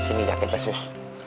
ini sakit lah sus